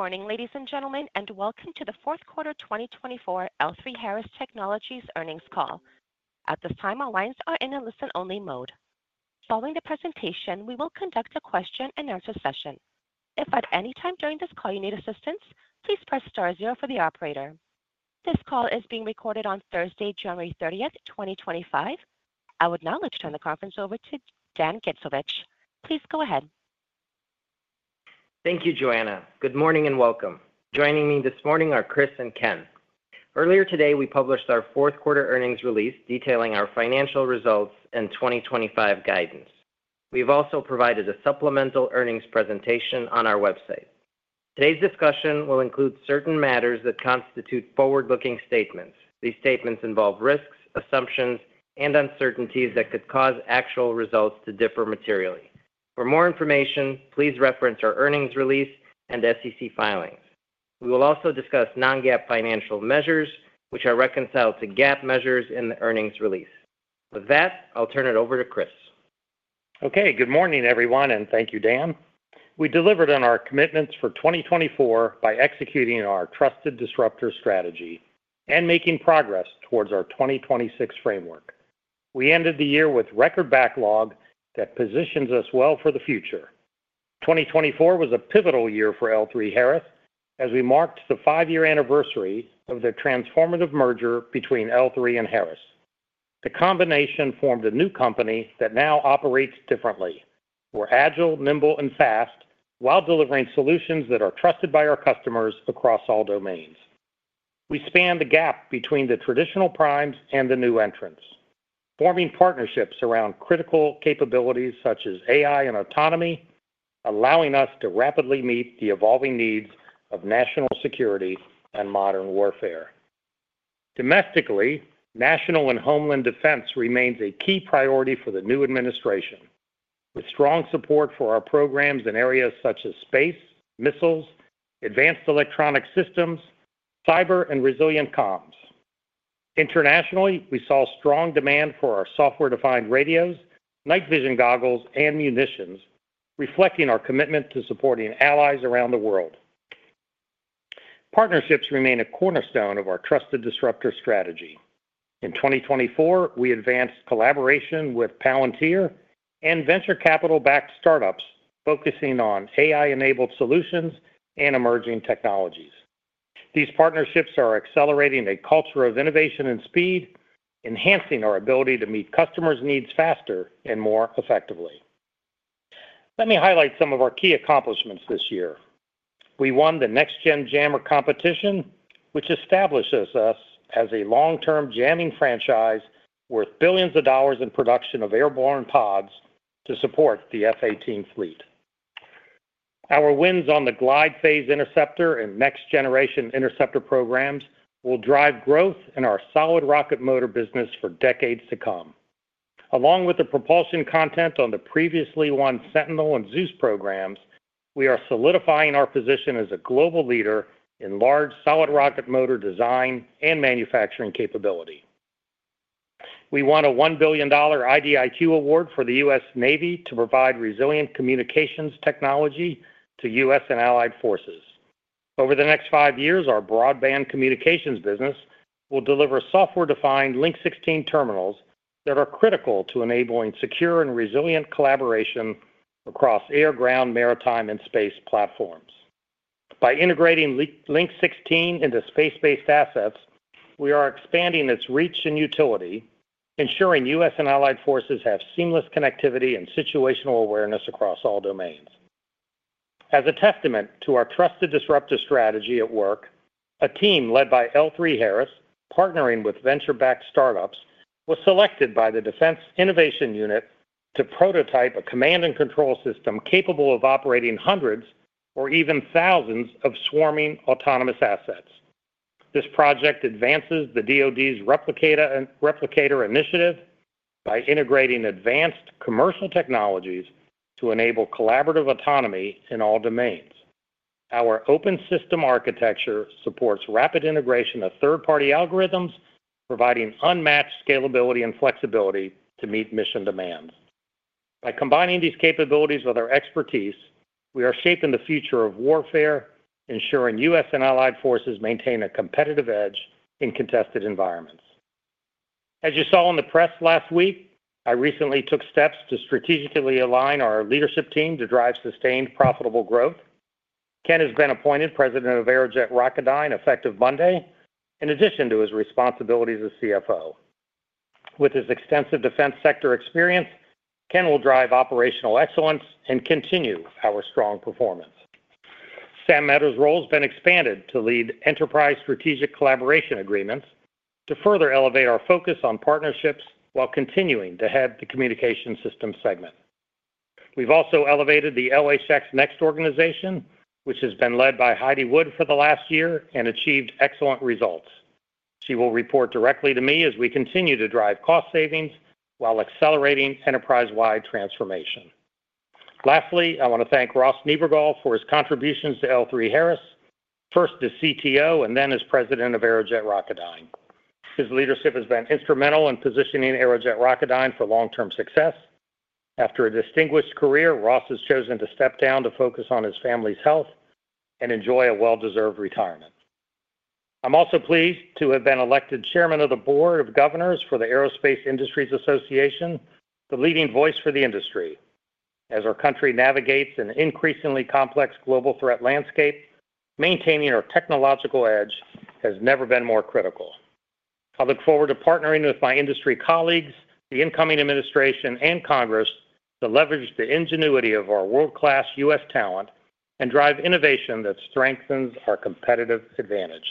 Good morning, ladies and gentlemen, and welcome to the fourth quarter 2024 L3Harris Technologies earnings call. At this time, our lines are in a listen-only mode. Following the presentation, we will conduct a question-and-answer session. If at any time during this call you need assistance, please press star zero for the operator. This call is being recorded on Thursday, January 30th, 2025. I would now like to turn the conference over to Dan Gittsovich. Please go ahead. Thank you, Joanna. Good morning and welcome. Joining me this morning are Chris and Ken. Earlier today, we published our fourth quarter earnings release detailing our financial results and 2025 guidance. We have also provided a supplemental earnings presentation on our website. Today's discussion will include certain matters that constitute forward-looking statements. These statements involve risks, assumptions, and uncertainties that could cause actual results to differ materially. For more information, please reference our earnings release and SEC filings. We will also discuss non-GAAP financial measures, which are reconciled to GAAP measures in the earnings release. With that, I'll turn it over to Chris. Okay, good morning, everyone, and thank you, Dan. We delivered on our commitments for 2024 by executing our Trusted Disruptor strategy and making progress towards our 2026 framework. We ended the year with record backlog that positions us well for the future. 2024 was a pivotal year for L3Harris as we marked the five-year anniversary of the transformative merger between L3 and Harris. The combination formed a new company that now operates differently. We're agile, nimble, and fast while delivering solutions that are trusted by our customers across all domains. We span the gap between the traditional primes and the new entrants, forming partnerships around critical capabilities such as AI and autonomy, allowing us to rapidly meet the evolving needs of national security and modern warfare. Domestically, national and homeland defense remains a key priority for the new administration, with strong support for our programs in areas such as space, missiles, advanced electronic systems, cyber, and resilient comms. Internationally, we saw strong demand for our software-defined radios, night vision goggles, and munitions, reflecting our commitment to supporting allies around the world. Partnerships remain a cornerstone of our Trusted Disruptor strategy. In 2024, we advanced collaboration with Palantir and venture capital-backed startups focusing on AI-enabled solutions and emerging technologies. These partnerships are accelerating a culture of innovation and speed, enhancing our ability to meet customers' needs faster and more effectively. Let me highlight some of our key accomplishments this year. We won the Next Gen Jammer competition, which establishes us as a long-term jamming franchise worth billions of dollars in production of airborne pods to support the F/A-18 fleet. Our wins on the Glide Phase Interceptor and Next Generation Interceptor programs will drive growth in our solid rocket motor business for decades to come. Along with the propulsion content on the previously won Sentinel and Zeus programs, we are solidifying our position as a global leader in large solid rocket motor design and manufacturing capability. We won a $1 billion IDIQ award for the U.S. Navy to provide resilient communications technology to U.S. and allied forces. Over the next five years, our broadband communications business will deliver software-defined Link 16 terminals that are critical to enabling secure and resilient collaboration across air, ground, maritime, and space platforms. By integrating Link 16 into space-based assets, we are expanding its reach and utility, ensuring U.S. and allied forces have seamless connectivity and situational awareness across all domains. As a testament to our Trusted Disruptor strategy at work, a team led by L3Harris, partnering with venture-backed startups, was selected by the Defense Innovation Unit to prototype a command and control system capable of operating hundreds or even thousands of swarming autonomous assets. This project advances the DoD's Replicator initiative by integrating advanced commercial technologies to enable collaborative autonomy in all domains. Our open system architecture supports rapid integration of third-party algorithms, providing unmatched scalability and flexibility to meet mission demands. By combining these capabilities with our expertise, we are shaping the future of warfare, ensuring U.S. and allied forces maintain a competitive edge in contested environments. As you saw in the press last week, I recently took steps to strategically align our leadership team to drive sustained, profitable growth. Ken has been appointed President of Aerojet Rocketdyne effective Monday, in addition to his responsibilities as CFO. With his extensive defense sector experience, Ken will drive operational excellence and continue our strong performance. Sam Mehta's role has been expanded to lead enterprise strategic collaboration agreements to further elevate our focus on partnerships while continuing to head the Communication Systems segment. We've also elevated the LHX Next organization, which has been led by Heidi Wood for the last year and achieved excellent results. She will report directly to me as we continue to drive cost savings while accelerating enterprise-wide transformation. Lastly, I want to thank Ross Niebergall for his contributions to L3Harris, first as CTO and then as President of Aerojet Rocketdyne. His leadership has been instrumental in positioning Aerojet Rocketdyne for long-term success. After a distinguished career, Ross has chosen to step down to focus on his family's health and enjoy a well-deserved retirement. I'm also pleased to have been elected Chairman of the Board of Governors for the Aerospace Industries Association, the leading voice for the industry. As our country navigates an increasingly complex global threat landscape, maintaining our technological edge has never been more critical. I look forward to partnering with my industry colleagues, the incoming administration, and Congress to leverage the ingenuity of our world-class U.S. talent and drive innovation that strengthens our competitive advantage.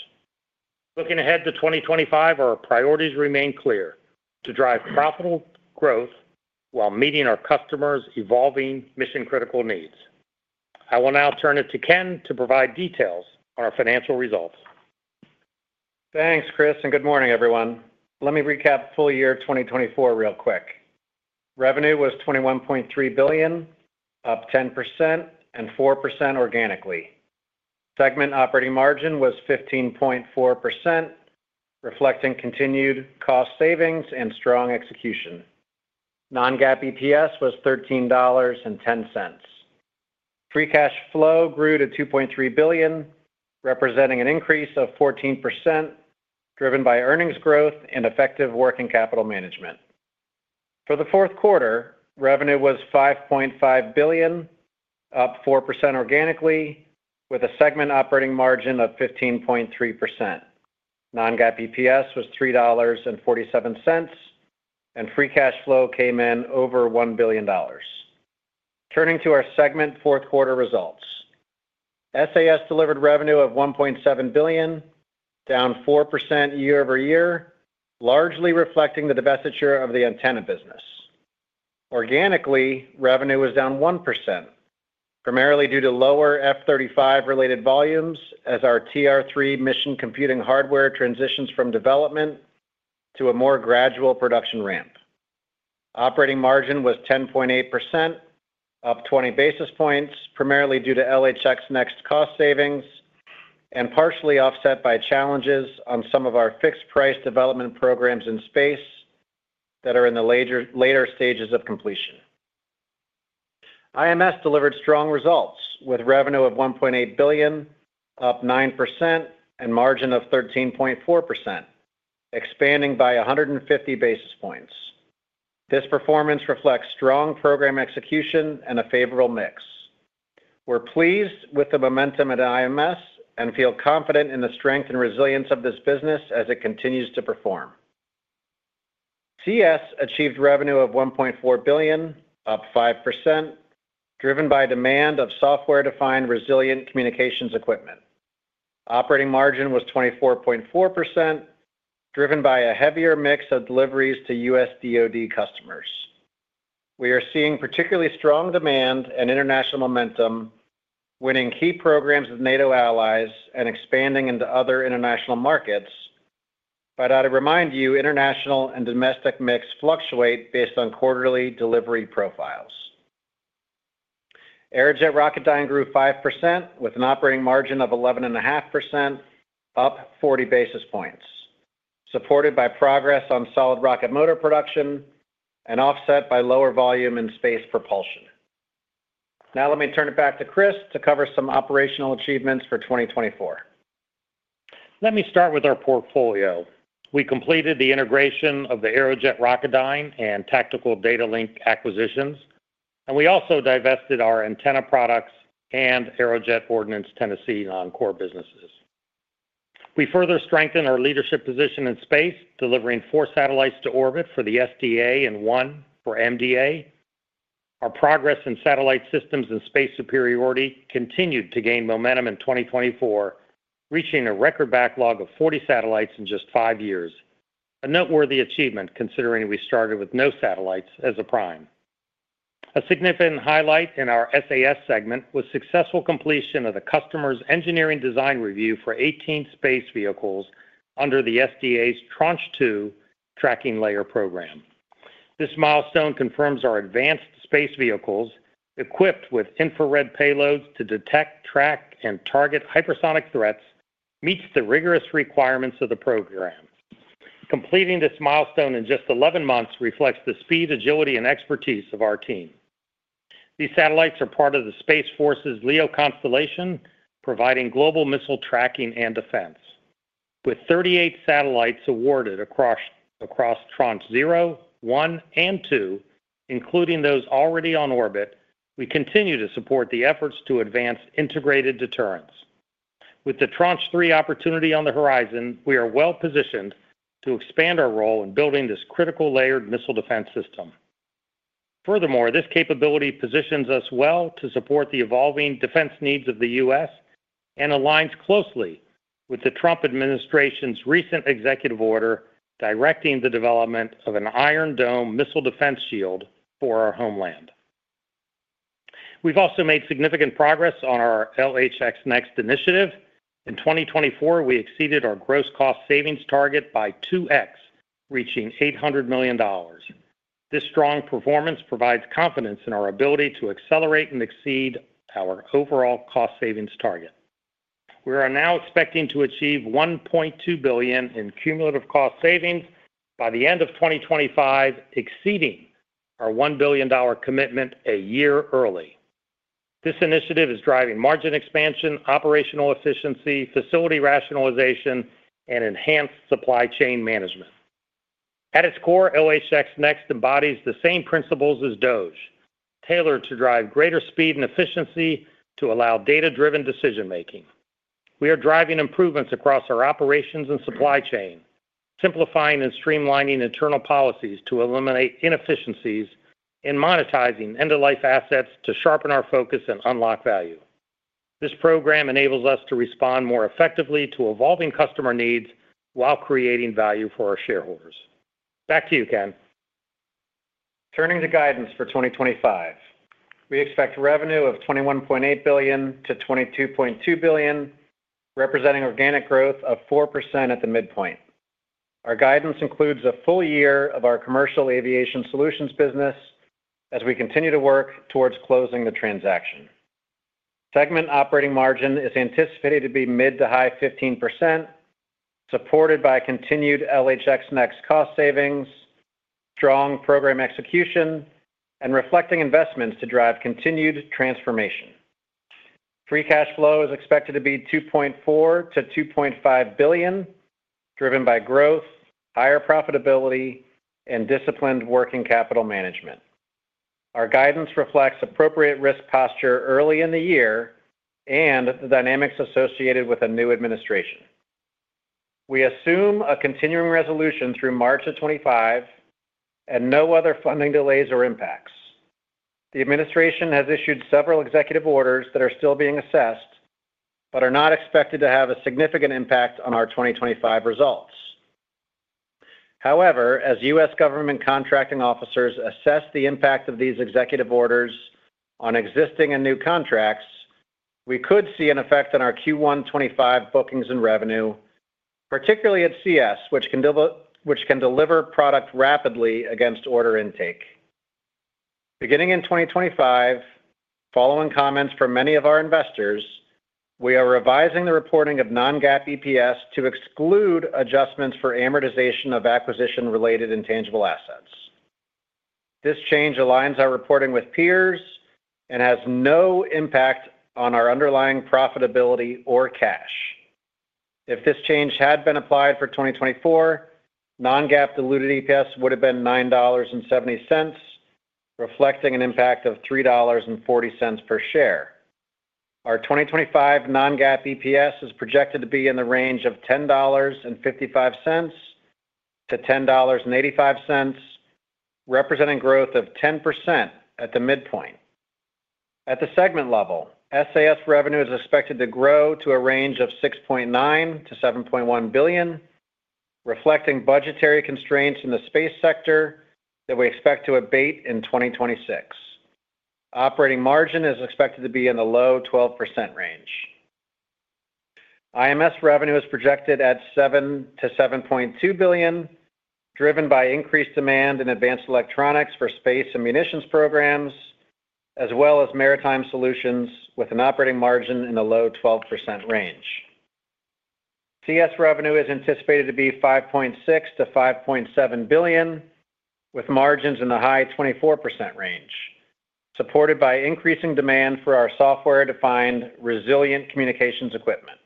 Looking ahead to 2025, our priorities remain clear: to drive profitable growth while meeting our customers' evolving mission-critical needs. I will now turn it to Ken to provide details on our financial results. Thanks, Chris, and good morning, everyone. Let me recap full year 2024 real quick. Revenue was $21.3 billion, up 10% and 4% organically. Segment operating margin was 15.4%, reflecting continued cost savings and strong execution. Non-GAAP EPS was $13.10. Free cash flow grew to $2.3 billion, representing an increase of 14%, driven by earnings growth and effective working capital management. For the fourth quarter, revenue was $5.5 billion, up 4% organically, with a segment operating margin of 15.3%. Non-GAAP EPS was $3.47, and free cash flow came in over $1 billion. Turning to our segment fourth quarter results, SAS delivered revenue of $1.7 billion, down 4% year-over-year, largely reflecting the divestiture of the antenna business. Organically, revenue was down 1%, primarily due to lower F-35-related volumes as our TR-3 mission computing hardware transitions from development to a more gradual production ramp. Operating margin was 10.8%, up 20 basis points, primarily due to LHX Next cost savings and partially offset by challenges on some of our fixed-price development programs in space that are in the later stages of completion. IMS delivered strong results with revenue of $1.8 billion, up 9%, and margin of 13.4%, expanding by 150 basis points. This performance reflects strong program execution and a favorable mix. We're pleased with the momentum at IMS and feel confident in the strength and resilience of this business as it continues to perform. CES achieved revenue of $1.4 billion, up 5%, driven by demand of software-defined resilient communications equipment. Operating margin was 24.4%, driven by a heavier mix of deliveries to U.S. DoD customers. We are seeing particularly strong demand and international momentum, winning key programs with NATO allies and expanding into other international markets. But I'd remind you, international and domestic mix fluctuates based on quarterly delivery profiles. Aerojet Rocketdyne grew 5% with an operating margin of 11.5%, up 40 basis points, supported by progress on solid rocket motor production and offset by lower volume in space propulsion. Now let me turn it back to Chris to cover some operational achievements for 2024. Let me start with our portfolio. We completed the integration of the Aerojet Rocketdyne and Tactical Data Links acquisitions, and we also divested our antenna products and Aerojet Ordnance Tennessee non-core businesses. We further strengthened our leadership position in space, delivering four satellites to orbit for the SDA and one for MDA. Our progress in satellite systems and space superiority continued to gain momentum in 2024, reaching a record backlog of 40 satellites in just five years, a noteworthy achievement considering we started with no satellites as a prime. A significant highlight in our SAS segment was the successful completion of the customer's engineering design review for 18 space vehicles under the SDA's Tranche 2 Tracking Layer program. This milestone confirms our advanced space vehicles, equipped with infrared payloads to detect, track, and target hypersonic threats, meet the rigorous requirements of the program. Completing this milestone in just 11 months reflects the speed, agility, and expertise of our team. These satellites are part of the Space Force's LEO constellation, providing global missile tracking and defense. With 38 satellites awarded across Tranche 0, 1, and 2, including those already on orbit, we continue to support the efforts to advance integrated deterrence. With the Tranche 3 opportunity on the horizon, we are well positioned to expand our role in building this critical layered missile defense system. Furthermore, this capability positions us well to support the evolving defense needs of the U.S. and aligns closely with the Trump administration's recent executive order directing the development of an Iron Dome missile defense shield for our homeland. We've also made significant progress on our LHX Next initiative. In 2024, we exceeded our gross cost savings target by 2x, reaching $800 million. This strong performance provides confidence in our ability to accelerate and exceed our overall cost savings target. We are now expecting to achieve $1.2 billion in cumulative cost savings by the end of 2025, exceeding our $1 billion commitment a year early. This initiative is driving margin expansion, operational efficiency, facility rationalization, and enhanced supply chain management. At its core, LHX Next embodies the same principles as DOGE, tailored to drive greater speed and efficiency to allow data-driven decision-making. We are driving improvements across our operations and supply chain, simplifying and streamlining internal policies to eliminate inefficiencies, and monetizing end-of-life assets to sharpen our focus and unlock value. This program enables us to respond more effectively to evolving customer needs while creating value for our shareholders. Back to you, Ken. Turning to guidance for 2025, we expect revenue of $21.8 billion-$22.2 billion, representing organic growth of 4% at the midpoint. Our guidance includes a full year of our commercial aviation solutions business as we continue to work towards closing the transaction. Segment operating margin is anticipated to be mid to high 15%, supported by continued LHX Next cost savings, strong program execution, and reflecting investments to drive continued transformation. Free cash flow is expected to be $2.4 billion-$2.5 billion, driven by growth, higher profitability, and disciplined working capital management. Our guidance reflects appropriate risk posture early in the year and the dynamics associated with a new administration. We assume a continuing resolution through March of 2025 and no other funding delays or impacts. The administration has issued several executive orders that are still being assessed but are not expected to have a significant impact on our 2025 results. However, as U.S. government contracting officers assess the impact of these executive orders on existing and new contracts, we could see an effect on our Q1 2025 bookings and revenue, particularly at CS, which can deliver product rapidly against order intake. Beginning in 2025, following comments from many of our investors, we are revising the reporting of non-GAAP EPS to exclude adjustments for amortization of acquisition-related intangible assets. This change aligns our reporting with peers and has no impact on our underlying profitability or cash. If this change had been applied for 2024, non-GAAP diluted EPS would have been $9.70, reflecting an impact of $3.40 per share. Our 2025 non-GAAP EPS is projected to be in the range of $10.55-$10.85, representing growth of 10% at the midpoint. At the segment level, SAS revenue is expected to grow to a range of $6.9 billion-$7.1 billion, reflecting budgetary constraints in the space sector that we expect to abate in 2026. Operating margin is expected to be in the low 12% range. IMS revenue is projected at $7 billion-$7.2 billion, driven by increased demand in advanced electronics for space and munitions programs, as well as maritime solutions, with an operating margin in the low 12% range. CES revenue is anticipated to be $5.6 billion-$5.7 billion, with margins in the high 24% range, supported by increasing demand for our software-defined resilient communications equipment.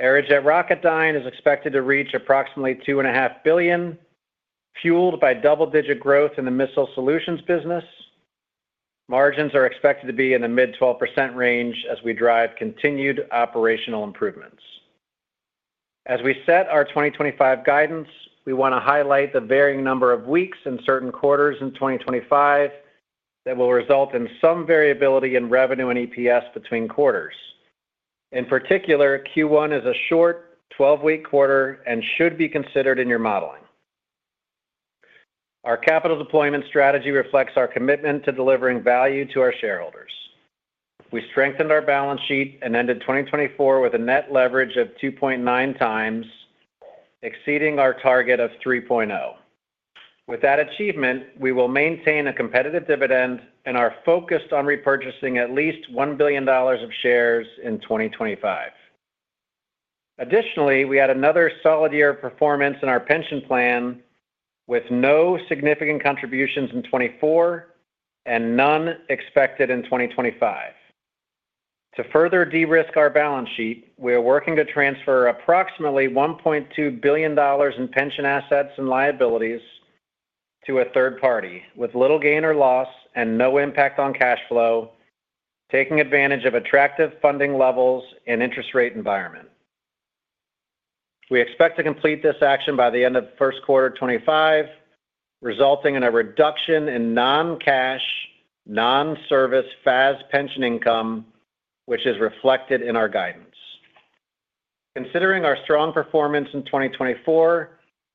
Aerojet Rocketdyne is expected to reach approximately $2.5 billion, fueled by double-digit growth in the missile solutions business. Margins are expected to be in the mid-12% range as we drive continued operational improvements. As we set our 2025 guidance, we want to highlight the varying number of weeks in certain quarters in 2025 that will result in some variability in revenue and EPS between quarters. In particular, Q1 is a short 12-week quarter and should be considered in your modeling. Our capital deployment strategy reflects our commitment to delivering value to our shareholders. We strengthened our balance sheet and ended 2024 with a net leverage of 2.9x, exceeding our target of 3.0. With that achievement, we will maintain a competitive dividend and are focused on repurchasing at least $1 billion of shares in 2025. Additionally, we had another solid year of performance in our pension plan, with no significant contributions in 2024 and none expected in 2025. To further de-risk our balance sheet, we are working to transfer approximately $1.2 billion in pension assets and liabilities to a third party with little gain or loss and no impact on cash flow, taking advantage of attractive funding levels and interest rate environment. We expect to complete this action by the end of the first quarter of 2025, resulting in a reduction in non-cash, non-service FAS pension income, which is reflected in our guidance. Considering our strong performance in 2024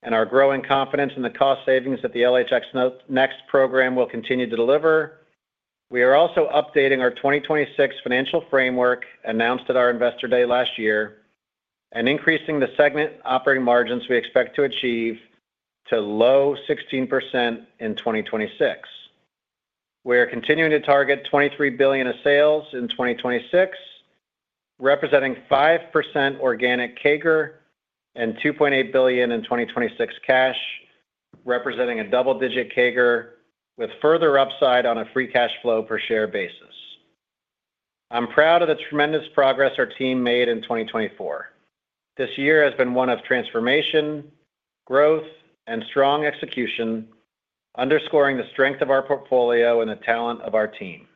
and our growing confidence in the cost savings that the LHX Next program will continue to deliver, we are also updating our 2026 financial framework announced at our Investor Day last year and increasing the segment operating margins we expect to achieve to low 16% in 2026. We are continuing to target $23 billion in sales in 2026, representing 5% organic CAGR and $2.8 billion in 2026 cash, representing a double-digit CAGR with further upside on a free cash flow per share basis. I'm proud of the tremendous progress our team made in 2024. This year has been one of transformation, growth, and strong execution, underscoring the strength of our portfolio and the talent of our team.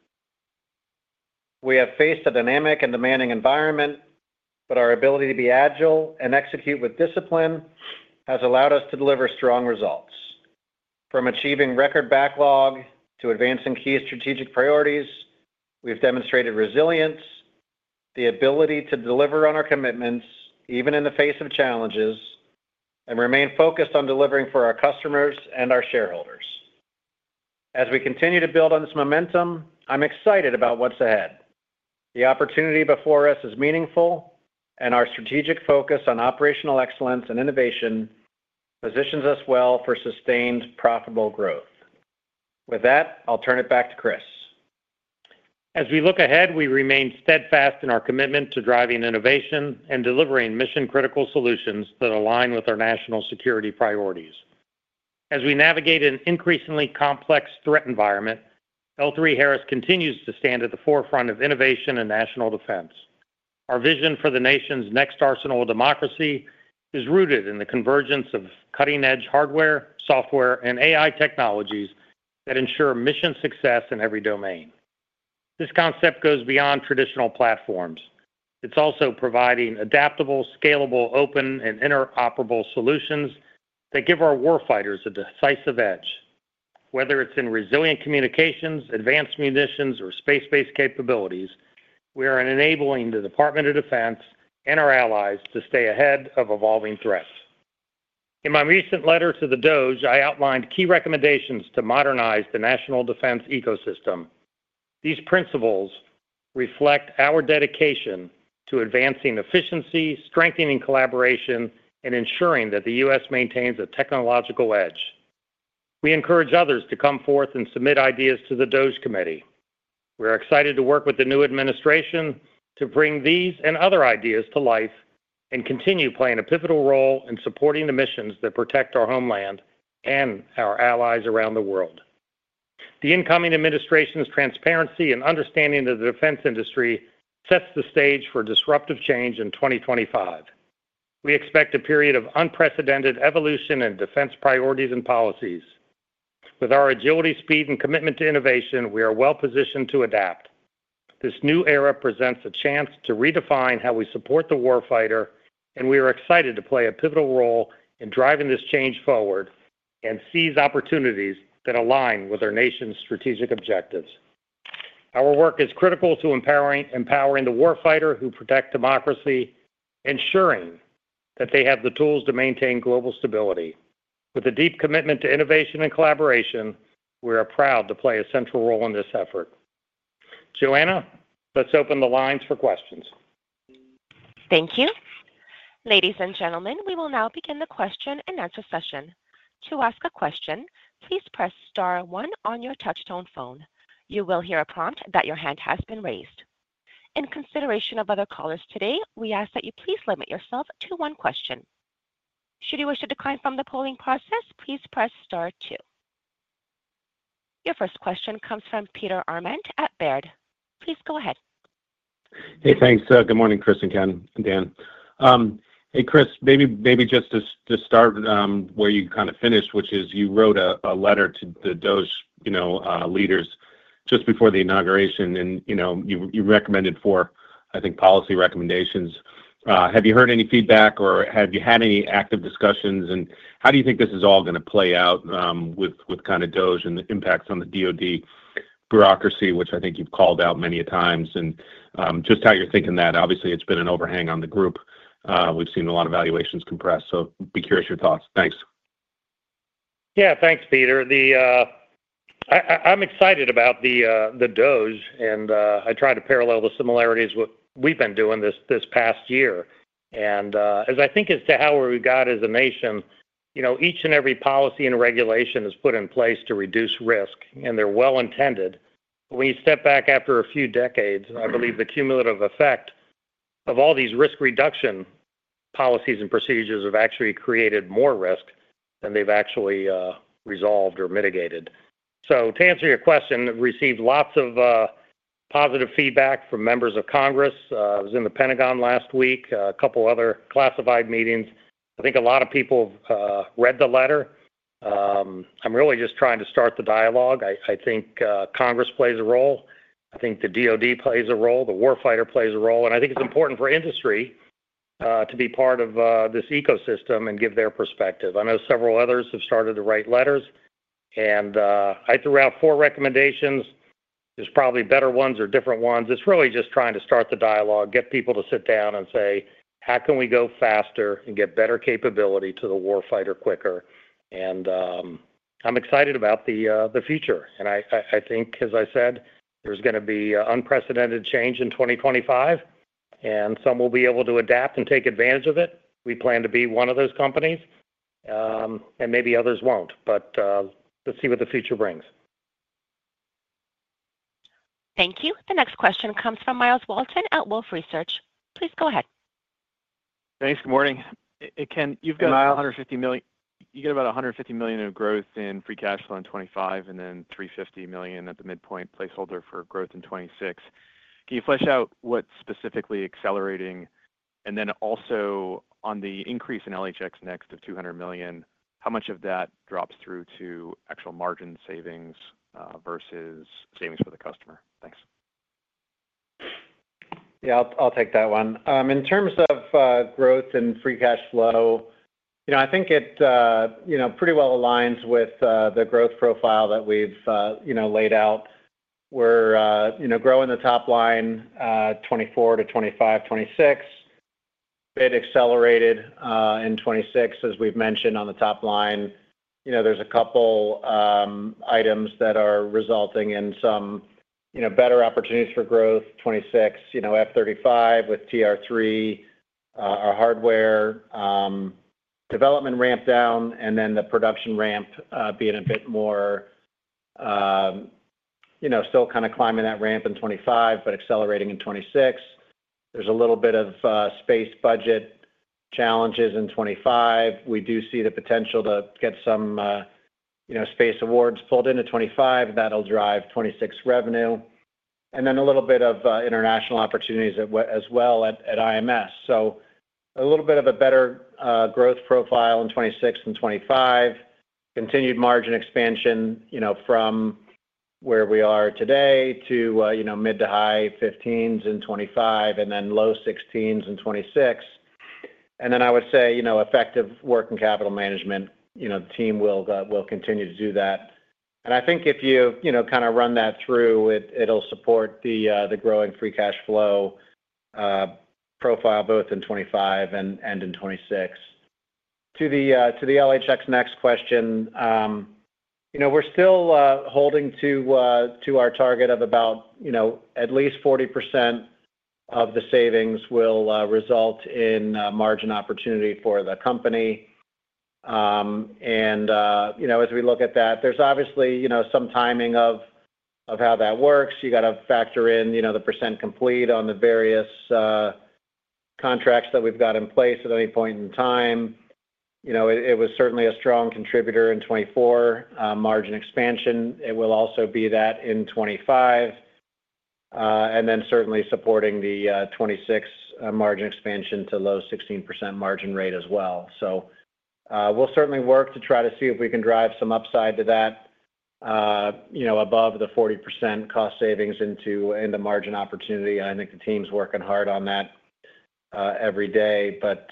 We have faced a dynamic and demanding environment, but our ability to be agile and execute with discipline has allowed us to deliver strong results. From achieving record backlog to advancing key strategic priorities, we've demonstrated resilience, the ability to deliver on our commitments even in the face of challenges, and remain focused on delivering for our customers and our shareholders. As we continue to build on this momentum, I'm excited about what's ahead. The opportunity before us is meaningful, and our strategic focus on operational excellence and innovation positions us well for sustained profitable growth. With that, I'll turn it back to Chris. As we look ahead, we remain steadfast in our commitment to driving innovation and delivering mission-critical solutions that align with our national security priorities. As we navigate an increasingly complex threat environment, L3Harris continues to stand at the forefront of innovation and national defense. Our vision for the nation's next arsenal of democracy is rooted in the convergence of cutting-edge hardware, software, and AI technologies that ensure mission success in every domain. This concept goes beyond traditional platforms. It's also providing adaptable, scalable, open, and interoperable solutions that give our warfighters a decisive edge. Whether it's in resilient communications, advanced munitions, or space-based capabilities, we are enabling the Department of Defense and our allies to stay ahead of evolving threats. In my recent letter to the DOGE, I outlined key recommendations to modernize the national defense ecosystem. These principles reflect our dedication to advancing efficiency, strengthening collaboration, and ensuring that the U.S. maintains a technological edge. We encourage others to come forth and submit ideas to the DOGE Committee. We are excited to work with the new administration to bring these and other ideas to life and continue playing a pivotal role in supporting the missions that protect our homeland and our allies around the world. The incoming administration's transparency and understanding of the defense industry sets the stage for disruptive change in 2025. We expect a period of unprecedented evolution in defense priorities and policies. With our agility, speed, and commitment to innovation, we are well positioned to adapt. This new era presents a chance to redefine how we support the warfighter, and we are excited to play a pivotal role in driving this change forward and seize opportunities that align with our nation's strategic objectives. Our work is critical to empowering the warfighter who protect democracy, ensuring that they have the tools to maintain global stability. With a deep commitment to innovation and collaboration, we are proud to play a central role in this effort. Joanna, let's open the lines for questions. Thank you. Ladies and gentlemen, we will now begin the question and answer session. To ask a question, please press star one on your touchtone phone. You will hear a prompt that your hand has been raised. In consideration of other callers today, we ask that you please limit yourself to one question. Should you wish to decline from the polling process, please press star two. Your first question comes from Peter Arment at Baird. Please go ahead. Hey, thanks. Good morning, Chris and Ken, and Dan. Hey, Chris, maybe just to start where you kind of finished, which is you wrote a letter to the DOGE leaders just before the inauguration, and you recommended four, I think, policy recommendations. Have you heard any feedback, or have you had any active discussions? And how do you think this is all going to play out with kind of DOGE and the impacts on the DoD bureaucracy, which I think you've called out many a times? And just how you're thinking that, obviously, it's been an overhang on the group. We've seen a lot of valuations compressed, so be curious your thoughts. Thanks. Yeah, thanks, Peter. I'm excited about the DOGE, and I try to parallel the similarities with what we've been doing this past year, and as I think as to how we got as a nation, each and every policy and regulation is put in place to reduce risk, and they're well-intended, but when you step back after a few decades, I believe the cumulative effect of all these risk-reduction policies and procedures have actually created more risk than they've actually resolved or mitigated, so to answer your question, I've received lots of positive feedback from members of Congress. I was in the Pentagon last week, a couple of other classified meetings. I think a lot of people have read the letter. I'm really just trying to start the dialogue. I think Congress plays a role. I think the DoD plays a role. The warfighter plays a role. I think it's important for industry to be part of this ecosystem and give their perspective. I know several others have started to write letters, and I threw out four recommendations. There's probably better ones or different ones. It's really just trying to start the dialogue, get people to sit down and say, "How can we go faster and get better capability to the warfighter quicker?" I'm excited about the future. I think, as I said, there's going to be unprecedented change in 2025, and some will be able to adapt and take advantage of it. We plan to be one of those companies, and maybe others won't, but let's see what the future brings. Thank you. The next question comes from Myles Walton at Wolfe Research. Please go ahead. Thanks. Good morning. Ken, you've got. You get about $150 million in growth in free cash flow in 2025 and then $350 million at the midpoint placeholder for growth in 2026. Can you flesh out what's specifically accelerating? And then also on the increase in LHX Next of $200 million, how much of that drops through to actual margin savings versus savings for the customer? Thanks. Yeah, I'll take that one. In terms of growth and free cash flow, I think it pretty well aligns with the growth profile that we've laid out. We're growing the top line 2024 to 2025, 2026. A bit accelerated in 2026, as we've mentioned on the top line. There's a couple items that are resulting in some better opportunities for growth 2026, F-35 with TR-3, our hardware development ramp down, and then the production ramp being a bit more still kind of climbing that ramp in 2025, but accelerating in 2026. There's a little bit of space budget challenges in 2025. We do see the potential to get some space awards pulled into 2025. That'll drive 2026 revenue. And then a little bit of international opportunities as well at IMS. So a little bit of a better growth profile in 2026 and 2025. Continued margin expansion from where we are today to mid- to high-15s in 2025 and then low-16s in 2026. Then I would say effective work and capital management. The team will continue to do that. I think if you kind of run that through, it will support the growing Free Cash Flow profile both in 2025 and in 2026. To the LHX Next question, we are still holding to our target of about at least 40% of the savings will result in margin opportunity for the company. As we look at that, there is obviously some timing of how that works. You got to factor in the percent complete on the various contracts that we have got in place at any point in time. It was certainly a strong contributor in 2024 margin expansion. It will also be that in 2025. And then certainly supporting the 2026 margin expansion to low 16% margin rate as well. So we'll certainly work to try to see if we can drive some upside to that above the 40% cost savings into margin opportunity. I think the team's working hard on that every day. But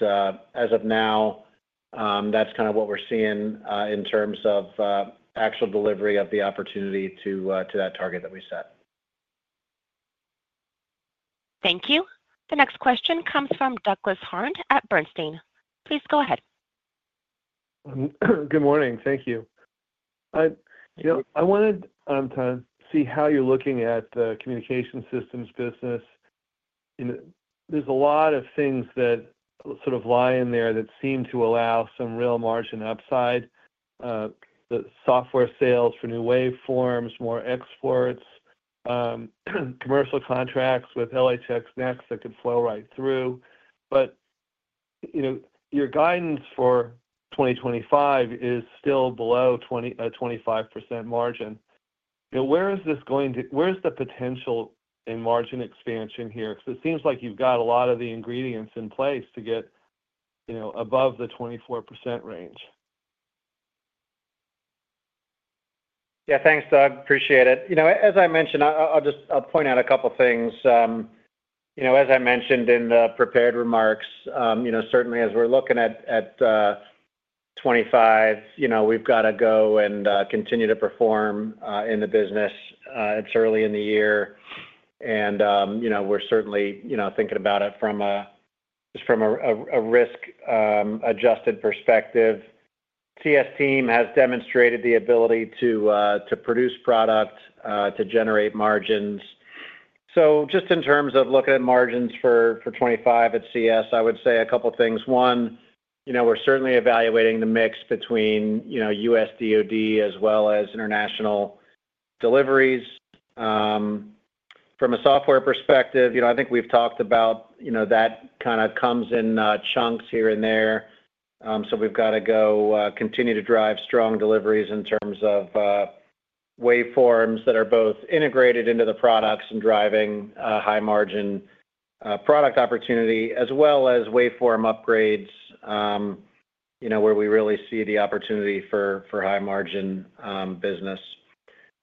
as of now, that's kind of what we're seeing in terms of actual delivery of the opportunity to that target that we set. Thank you. The next question comes from Douglas Harned at Bernstein. Please go ahead. Good morning. Thank you. I wanted to see how you're looking at the communication systems business. There's a lot of things that sort of lie in there that seem to allow some real margin upside. The software sales for new waveforms, more exports, commercial contracts with LHX Next that could flow right through. But your guidance for 2025 is still below 25% margin. Where is this going to? Where is the potential in margin expansion here? Because it seems like you've got a lot of the ingredients in place to get above the 24% range. Yeah, thanks, Doug. Appreciate it. As I mentioned, I'll point out a couple of things. As I mentioned in the prepared remarks, certainly as we're looking at 2025, we've got to go and continue to perform in the business. It's early in the year, and we're certainly thinking about it from a risk-adjusted perspective. CES team has demonstrated the ability to produce product, to generate margins. So just in terms of looking at margins for 2025 at CES, I would say a couple of things. One, we're certainly evaluating the mix between U.S. DoD as well as international deliveries. From a software perspective, I think we've talked about that kind of comes in chunks here and there. So we've got to continue to drive strong deliveries in terms of waveforms that are both integrated into the products and driving high-margin product opportunity, as well as waveform upgrades where we really see the opportunity for high-margin business.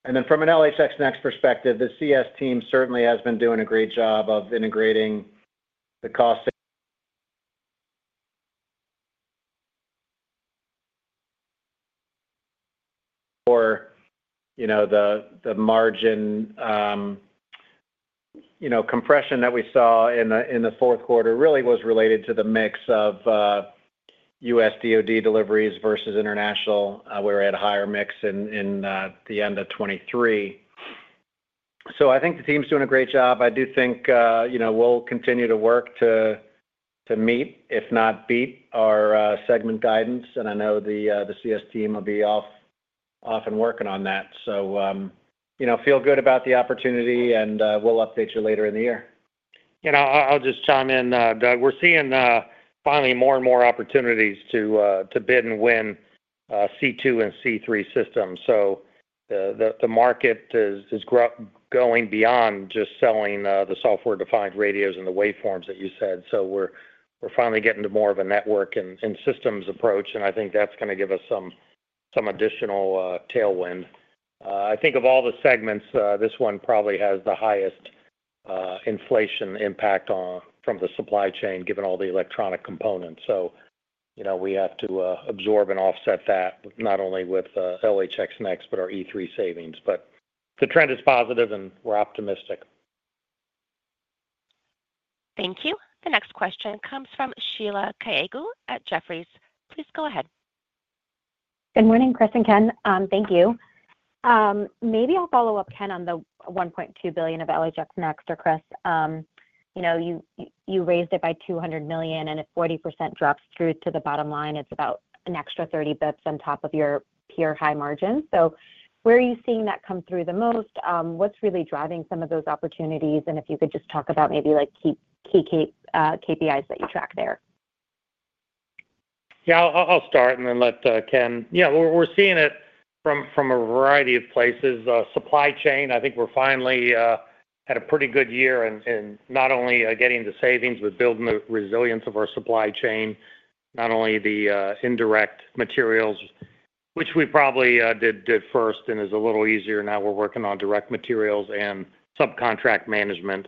And then from an LHX Next perspective, the CES team certainly has been doing a great job of integrating the cost or the margin compression that we saw in the fourth quarter really was related to the mix of U.S. DoD deliveries versus international, where we had a higher mix in the end of 2023. So I think the team's doing a great job. I do think we'll continue to work to meet, if not beat, our segment guidance. And I know the CES team will be off and working on that. So feel good about the opportunity, and we'll update you later in the year. And I'll just chime in, Doug. We're seeing finally more and more opportunities to bid and win C2 and C3 systems. So the market is going beyond just selling the software-defined radios and the waveforms that you said. So we're finally getting to more of a network and systems approach, and I think that's going to give us some additional tailwind. I think of all the segments, this one probably has the highest inflation impact from the supply chain, given all the electronic components. So we have to absorb and offset that not only with LHX Next but our E3 savings. But the trend is positive, and we're optimistic. Thank you. The next question comes from Sheila Kahyaoglu at Jefferies. Please go ahead. Good morning, Chris and Ken. Thank you. Maybe I'll follow up, Ken, on the $1.2 billion of LHX Next or Chris. You raised it by $200 million, and if 40% drops through to the bottom line, it's about an extra 30 basis points on top of your pure high margin. So where are you seeing that come through the most? What's really driving some of those opportunities? And if you could just talk about maybe key KPIs that you track there. Yeah, I'll start and then let Ken. Yeah, we're seeing it from a variety of places. Supply chain, I think we're finally at a pretty good year in not only getting the savings but building the resilience of our supply chain, not only the indirect materials, which we probably did first and is a little easier now. We're working on direct materials and subcontract management.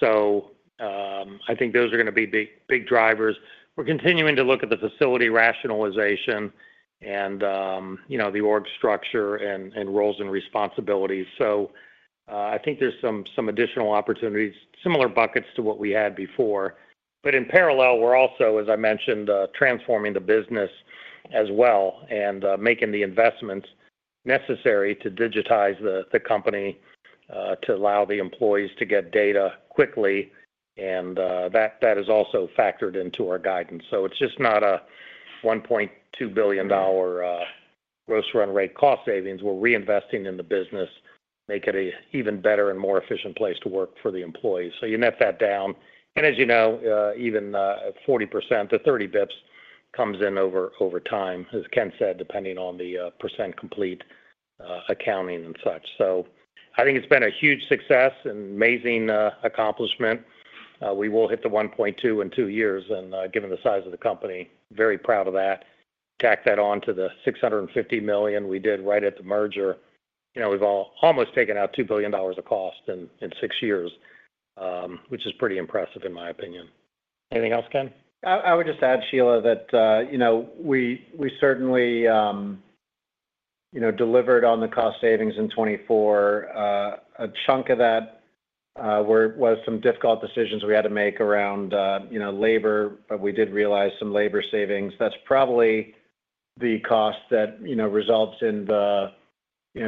So I think those are going to be big drivers. We're continuing to look at the facility rationalization and the org structure and roles and responsibilities. So I think there's some additional opportunities, similar buckets to what we had before. But in parallel, we're also, as I mentioned, transforming the business as well and making the investments necessary to digitize the company to allow the employees to get data quickly, and that is also factored into our guidance. So it's just not a $1.2 billion gross run rate cost savings. We're reinvesting in the business, make it an even better and more efficient place to work for the employees. So you net that down. And as you know, even 40% to 30 basis points comes in over time, as Ken said, depending on the percent complete accounting and such. So I think it's been a huge success and amazing accomplishment. We will hit the 1.2 in two years, and given the size of the company, very proud of that. Tack that on to the $650 million we did right at the merger. We've almost taken out $2 billion of cost in six years, which is pretty impressive in my opinion. Anything else, Ken? I would just add, Sheila, that we certainly delivered on the cost savings in 2024. A chunk of that was some difficult decisions we had to make around labor, but we did realize some labor savings. That's probably the cost that results in the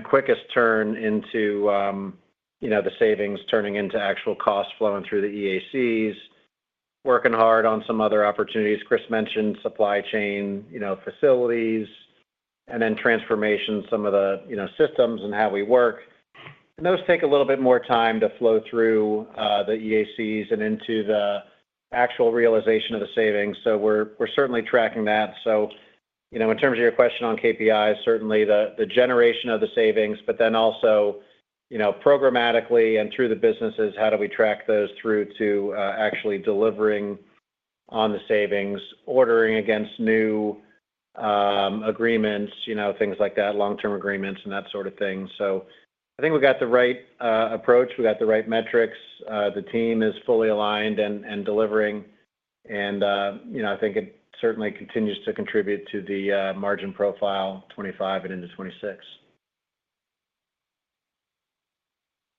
quickest turn into the savings turning into actual cost flowing through the EACs, working hard on some other opportunities. Chris mentioned supply chain facilities and then transformation, some of the systems and how we work, and those take a little bit more time to flow through the EACs and into the actual realization of the savings, so we're certainly tracking that, so in terms of your question on KPIs, certainly the generation of the savings, but then also programmatically and through the businesses, how do we track those through to actually delivering on the savings, ordering against new agreements, things like that, long-term agreements and that sort of thing, so I think we've got the right approach. We've got the right metrics. The team is fully aligned and delivering, and I think it certainly continues to contribute to the margin profile 2025 and into 2026.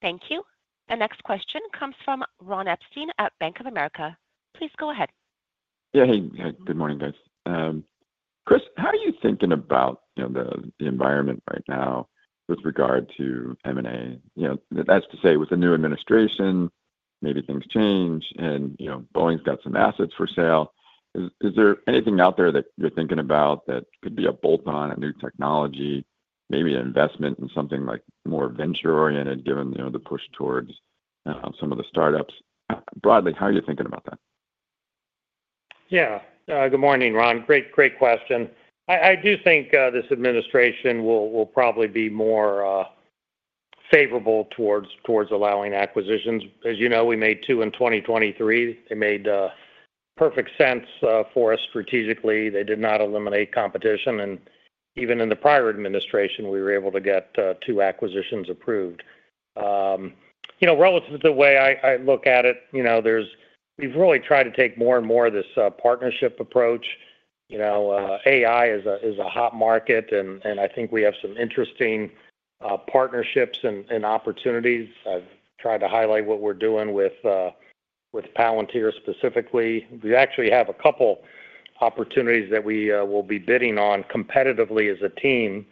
Thank you. The next question comes from Ron Epstein at Bank of America. Please go ahead. Yeah, hey. Good morning, guys. Chris, how are you thinking about the environment right now with regard to M&A? That's to say with the new administration, maybe things change, and Boeing's got some assets for sale. Is there anything out there that you're thinking about that could be a bolt-on, a new technology, maybe an investment in something more venture-oriented given the push towards some of the startups? Broadly, how are you thinking about that? Yeah. Good morning, Ron. Great question. I do think this administration will probably be more favorable towards allowing acquisitions. As you know, we made two in 2023. They made perfect sense for us strategically. They did not eliminate competition, and even in the prior administration, we were able to get two acquisitions approved. Relative to the way I look at it, we've really tried to take more and more of this partnership approach. AI is a hot market, and I think we have some interesting partnerships and opportunities. I've tried to highlight what we're doing with Palantir specifically. We actually have a couple of opportunities that we will be bidding on competitively as a team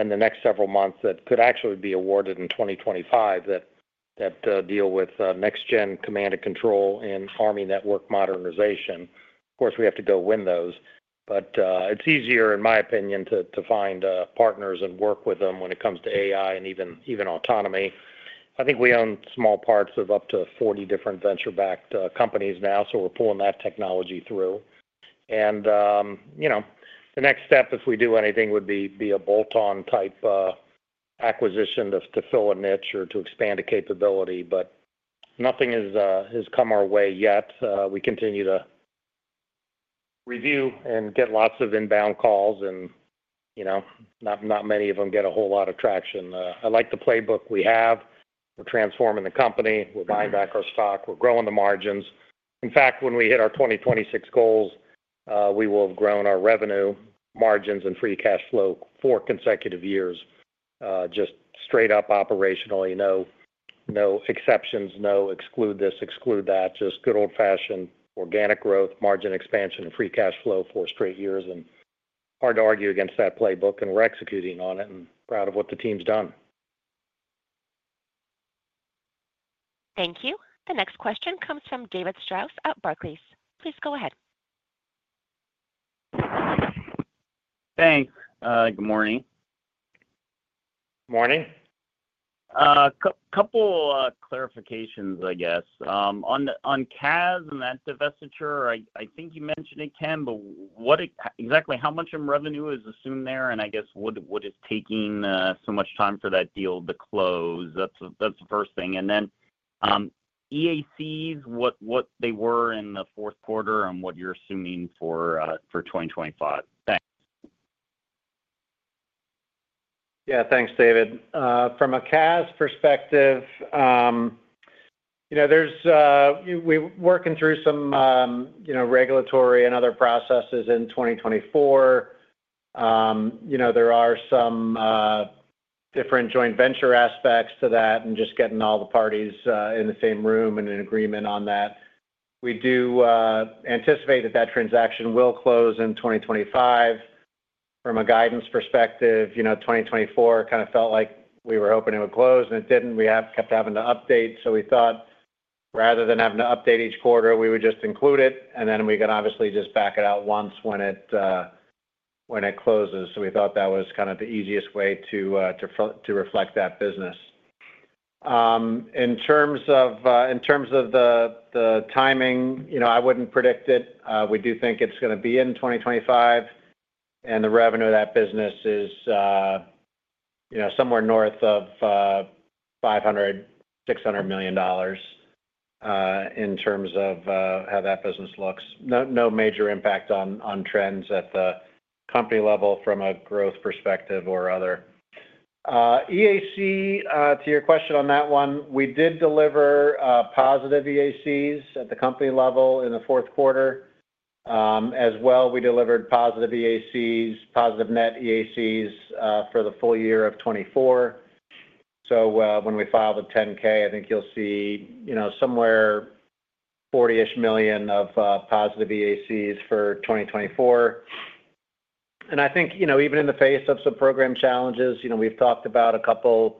in the next several months that could actually be awarded in 2025 that deal with next-gen command and control and Army network modernization. Of course, we have to go win those. But it's easier, in my opinion, to find partners and work with them when it comes to AI and even autonomy. I think we own small parts of up to 40 different venture-backed companies now, so we're pulling that technology through. And the next step, if we do anything, would be a bolt-on type acquisition to fill a niche or to expand a capability. But nothing has come our way yet. We continue to review and get lots of inbound calls, and not many of them get a whole lot of traction. I like the playbook we have. We're transforming the company. We're buying back our stock. We're growing the margins. In fact, when we hit our 2026 goals, we will have grown our revenue, margins, and free cash flow for consecutive years, just straight up operationally. No exceptions, no exclude this, exclude that. Just good old-fashioned organic growth, margin expansion, and Free Cash Flow for four straight years, and hard to argue against that playbook, and we're executing on it and proud of what the team's done. Thank you. The next question comes from David Strauss at Barclays. Please go ahead. Thanks. Good morning. Morning. Couple of clarifications, I guess. On CAS and that divestiture, I think you mentioned it, Ken, but exactly how much of revenue is assumed there? And I guess, what is taking so much time for that deal to close? That's the first thing. And then EACs, what they were in the fourth quarter and what you're assuming for 2025. Thanks. Yeah, thanks, David. From a CAS perspective, we're working through some regulatory and other processes in 2024. There are some different joint venture aspects to that and just getting all the parties in the same room and in agreement on that. We do anticipate that that transaction will close in 2025. From a guidance perspective, 2024 kind of felt like we were hoping it would close, and it didn't. We kept having to update. So we thought, rather than having to update each quarter, we would just include it, and then we can obviously just back it out once when it closes. So we thought that was kind of the easiest way to reflect that business. In terms of the timing, I wouldn't predict it. We do think it's going to be in 2025, and the revenue of that business is somewhere north of $500 million-$600 million in terms of how that business looks. No major impact on trends at the company level from a growth perspective or other. EAC, to your question on that one, we did deliver positive EACs at the company level in the fourth quarter. As well, we delivered positive EACs, positive net EACs for the full year of 2024. So when we file the 10-K, I think you'll see somewhere 40-ish million of positive EACs for 2024, and I think even in the face of some program challenges, we've talked about a couple of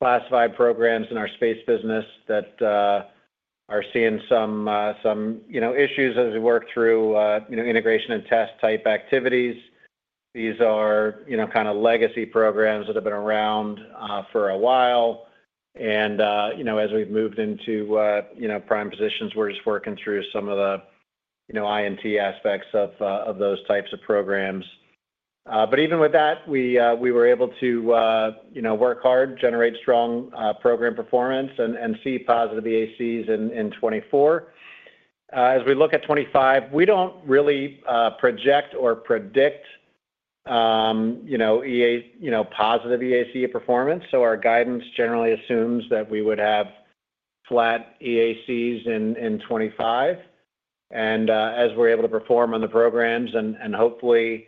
classified programs in our space business that are seeing some issues as we work through integration and test-type activities. These are kind of legacy programs that have been around for a while. As we've moved into prime positions, we're just working through some of the I&T aspects of those types of programs. Even with that, we were able to work hard, generate strong program performance, and see positive EACs in 2024. As we look at 2025, we don't really project or predict positive EAC performance. Our guidance generally assumes that we would have flat EACs in 2025. As we're able to perform on the programs and hopefully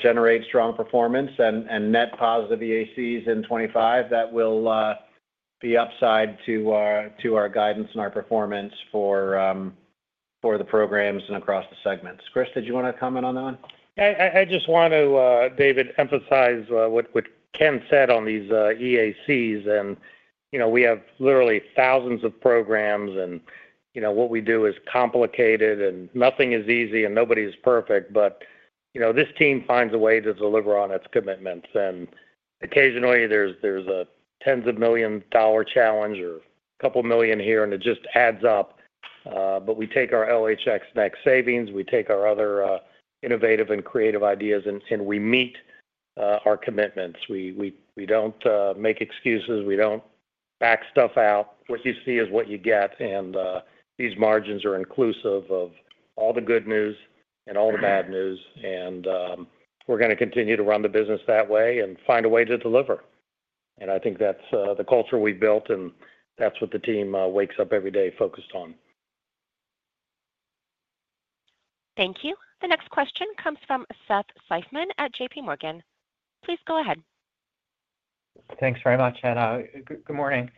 generate strong performance and net positive EACs in 2025, that will be upside to our guidance and our performance for the programs and across the segments. Chris, did you want to comment on that one? I just want to, David, emphasize what Ken said on these EACs. And we have literally thousands of programs, and what we do is complicated, and nothing is easy, and nobody is perfect. But this team finds a way to deliver on its commitments. And occasionally, there's a tens-of-million-dollar challenge or a couple of million here, and it just adds up. But we take our LHX Next savings. We take our other innovative and creative ideas, and we meet our commitments. We don't make excuses. We don't back stuff out. What you see is what you get. And these margins are inclusive of all the good news and all the bad news. And we're going to continue to run the business that way and find a way to deliver. And I think that's the culture we've built, and that's what the team wakes up every day focused on. Thank you. The next question comes from Seth Seifman at JPMorgan. Please go ahead. Thanks very much, and good morning.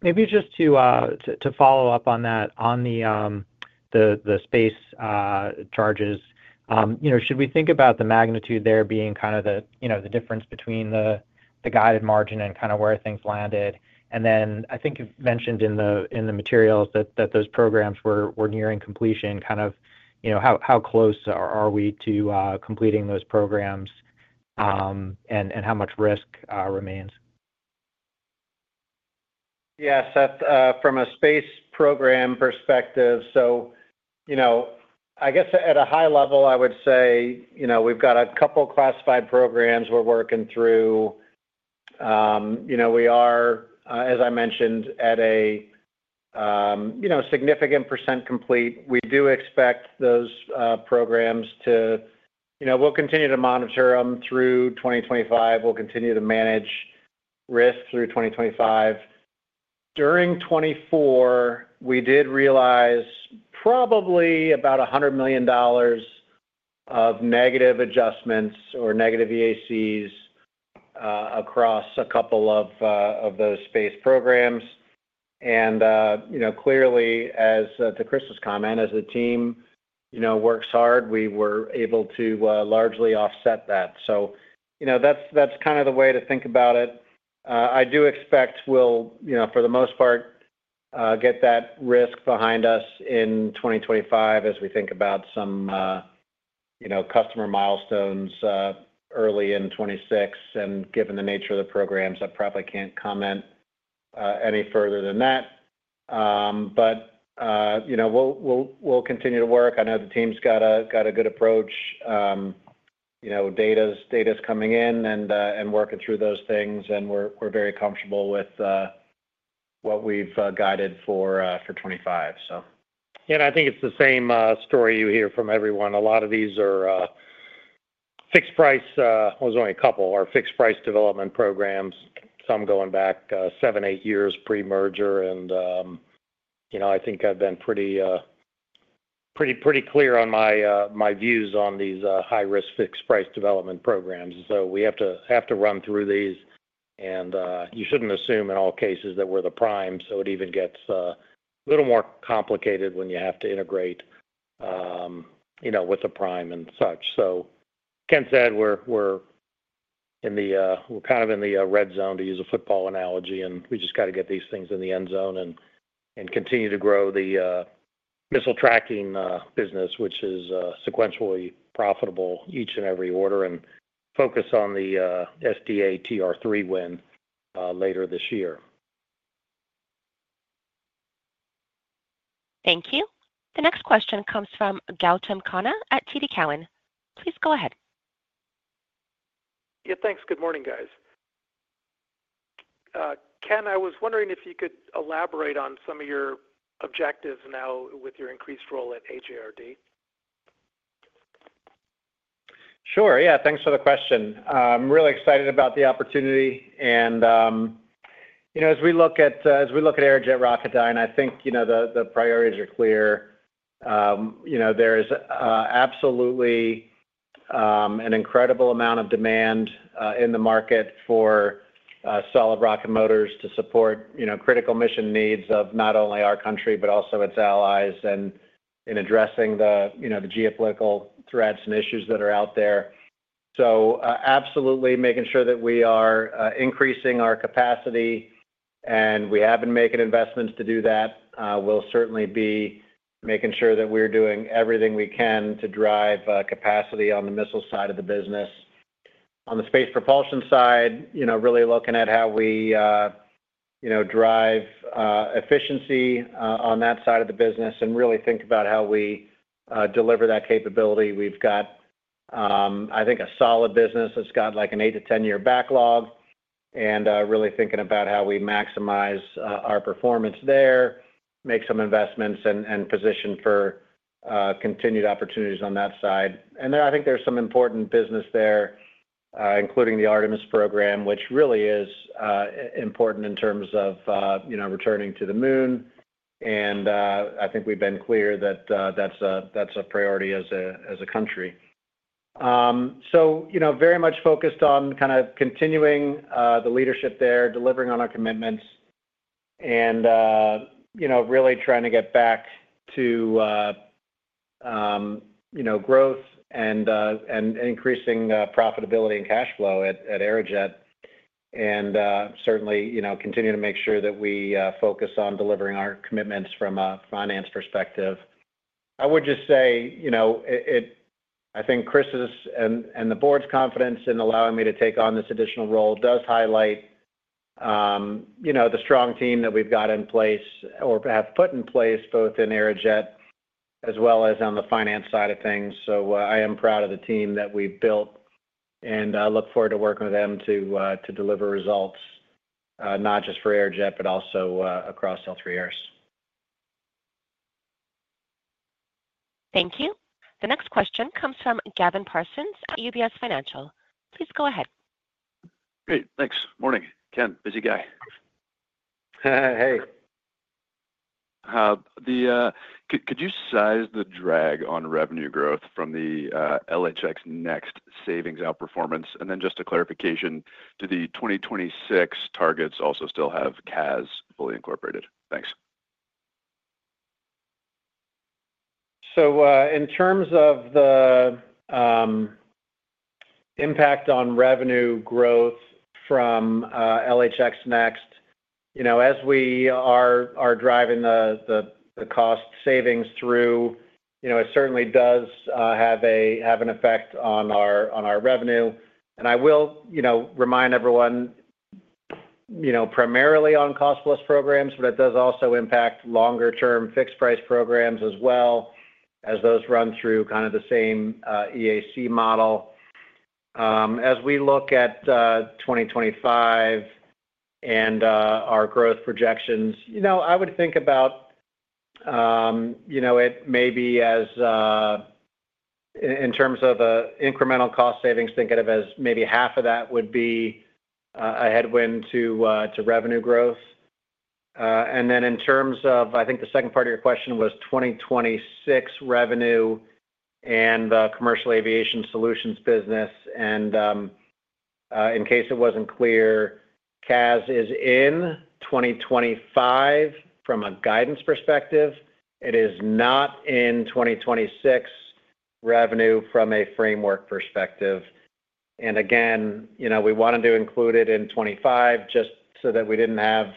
Maybe just to follow up on that, on the space charges, should we think about the magnitude there being kind of the difference between the guided margin and kind of where things landed? And then I think you've mentioned in the materials that those programs were nearing completion. Kind of how close are we to completing those programs and how much risk remains? Yeah, Seth, from a space program perspective, so I guess at a high level, I would say we've got a couple of classified programs we're working through. We are, as I mentioned, at a significant % complete. We do expect those programs to, we'll continue to monitor them through 2025. We'll continue to manage risk through 2025. During 2024, we did realize probably about $100 million of negative adjustments or negative EACs across a couple of those space programs. And clearly, as to Chris's comment, as the team works hard, we were able to largely offset that. So that's kind of the way to think about it. I do expect we'll, for the most part, get that risk behind us in 2025 as we think about some customer milestones early in 2026. And given the nature of the programs, I probably can't comment any further than that. But we'll continue to work. I know the team's got a good approach. Data's coming in and working through those things, and we're very comfortable with what we've guided for 2025, so. Yeah, and I think it's the same story you hear from everyone. A lot of these are fixed price, well, there's only a couple, are fixed price development programs, some going back seven, eight years pre-merger. And I think I've been pretty clear on my views on these high-risk fixed price development programs. So we have to run through these, and you shouldn't assume in all cases that we're the prime. So it even gets a little more complicated when you have to integrate with the prime and such. So Ken said we're kind of in the red zone, to use a football analogy, and we just got to get these things in the end zone and continue to grow the missile tracking business, which is sequentially profitable each and every order and focus on the SDA TR-3 win later this year. Thank you. The next question comes from Gautam Khanna at TD Cowen. Please go ahead. Yeah, thanks. Good morning, guys. Ken, I was wondering if you could elaborate on some of your objectives now with your increased role at AJRD. Sure. Yeah, thanks for the question. I'm really excited about the opportunity, and as we look at Aerojet Rocketdyne, I think the priorities are clear. There is absolutely an incredible amount of demand in the market for solid rocket motors to support critical mission needs of not only our country but also its allies in addressing the geopolitical threats and issues that are out there, so absolutely making sure that we are increasing our capacity, and we have been making investments to do that. We'll certainly be making sure that we're doing everything we can to drive capacity on the missile side of the business. On the space propulsion side, really looking at how we drive efficiency on that side of the business and really think about how we deliver that capability. We've got, I think, a solid business that's got like an eight to 10-year backlog and really thinking about how we maximize our performance there, make some investments, and position for continued opportunities on that side. And I think there's some important business there, including the Artemis program, which really is important in terms of returning to the moon. And I think we've been clear that that's a priority as a country. So very much focused on kind of continuing the leadership there, delivering on our commitments, and really trying to get back to growth and increasing profitability and cash flow at Aerojet. And certainly continue to make sure that we focus on delivering our commitments from a finance perspective. I would just say I think Chris's and the board's confidence in allowing me to take on this additional role does highlight the strong team that we've got in place or have put in place both in Aerojet as well as on the finance side of things. So I am proud of the team that we've built and look forward to working with them to deliver results not just for Aerojet but also across all three areas. Thank you. The next question comes from Gavin Parsons at UBS Financial. Please go ahead. Great. Thanks. Morning, Ken. Busy guy. Hey. Could you size the drag on revenue growth from the LHX Next savings outperformance? And then just a clarification, do the 2026 targets also still have CAS fully incorporated? Thanks. So in terms of the impact on revenue growth from LHX Next, as we are driving the cost savings through, it certainly does have an effect on our revenue. And I will remind everyone primarily on cost-plus programs, but it does also impact longer-term fixed-price programs as well as those run through kind of the same EAC model. As we look at 2025 and our growth projections, I would think about it maybe as in terms of incremental cost savings, think of it as maybe half of that would be a headwind to revenue growth. And then in terms of, I think the second part of your question was 2026 revenue and the commercial aviation solutions business. And in case it wasn't clear, CAS is in 2025 from a guidance perspective. It is not in 2026 revenue from a framework perspective. And again, we wanted to include it in 2025 just so that we didn't have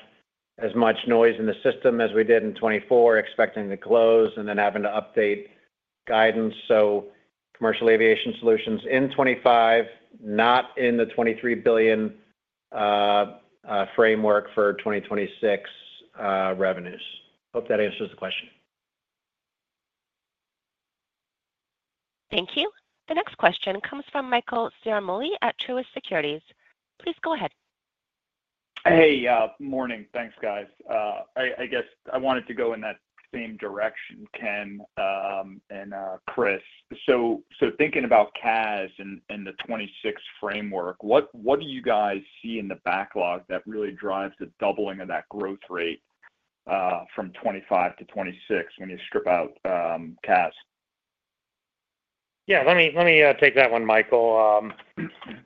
as much noise in the system as we did in 2024, expecting to close and then having to update guidance. So Commercial Aviation Solutions in 2025, not in the $23 billion framework for 2026 revenues. Hope that answers the question. Thank you. The next question comes from Michael Ciarmoli at Truist Securities. Please go ahead. Hey, morning. Thanks, guys. I guess I wanted to go in that same direction, Ken and Chris, so thinking about CAS and the 2026 framework, what do you guys see in the backlog that really drives the doubling of that growth rate from 2025 to 2026 when you strip out CAS? Yeah, let me take that one, Michael.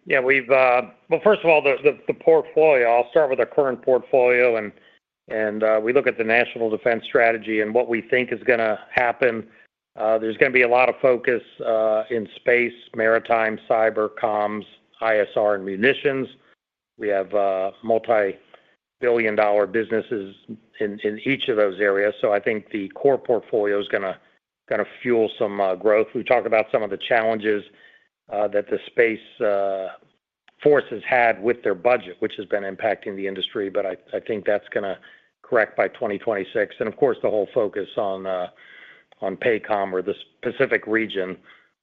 Yeah, well, first of all, the portfolio. I'll start with our current portfolio. And we look at the National Defense Strategy and what we think is going to happen. There's going to be a lot of focus in space, maritime, cyber, comms, ISR, and munitions. We have multi-billion-dollar businesses in each of those areas. So I think the core portfolio is going to fuel some growth. We talk about some of the challenges that the Space Force has had with their budget, which has been impacting the industry, but I think that's going to correct by 2026. And of course, the whole focus on PACOM or the Pacific region